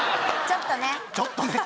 ちょっとね